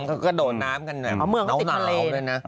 ก็ดดน้ำกันน้ำหนาวเลยนะ